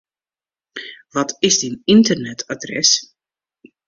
Wat is dyn ynternetadres?